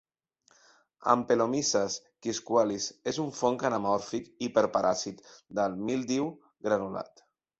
"Ampelomyces quisqualis" és un fong anamòrfic hiperparàsit del míldiu granulat.